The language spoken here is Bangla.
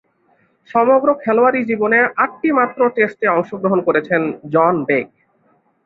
সমগ্র খেলোয়াড়ী জীবনে আটটিমাত্র টেস্টে অংশগ্রহণ করেছেন জন বেক।